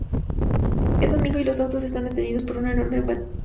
Es domingo y los autos están detenidos por un enorme embotellamiento.